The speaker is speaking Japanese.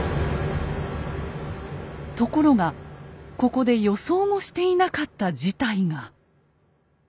ところがここで予想もしていなかった事態が。